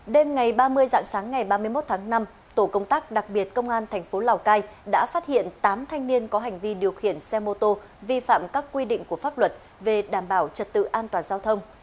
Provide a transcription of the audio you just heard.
đêm ngày ba mươi dạng sáng ngày ba mươi một tháng năm tổ công tác đặc biệt công an thành phố lào cai đã phát hiện tám thanh niên có hành vi điều khiển xe mô tô vi phạm các quy định của pháp luật về đảm bảo trật tự an toàn giao thông